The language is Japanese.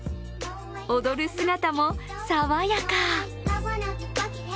踊る姿も爽やか。